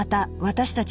私たち